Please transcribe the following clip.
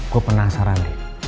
gue penasaran deh